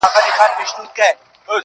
• هېره مي يې.